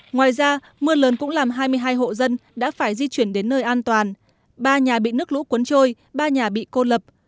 ngoài ra mưa lớn cũng làm hai mươi hai hộ dân đã phải di chuyển đến nơi an toàn ba nhà bị nước lũ cuốn trôi ba nhà bị cô lập